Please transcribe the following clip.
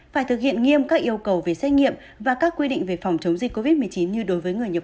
phải thực hiện nghiêm các yêu cầu về xét nghiệm và các quy định về phòng chống dịch covid một mươi chín như đối với người nhập